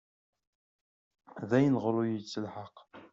D ayen iɣer ur yettelḥaq.